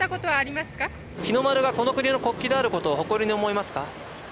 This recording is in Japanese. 日の丸がこの国の国旗であることを誇りに思いますか？